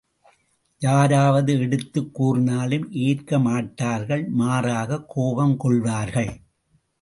யாராவது எடுத்துக் கூறினாலும் ஏற்க மாட்டார்கள் மாறாகக் கோபம் கொள்வார்கள்.